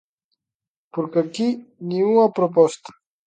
Porque aquí, nin unha proposta.